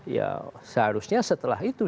ya seharusnya setelah itu